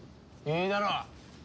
いいだろう。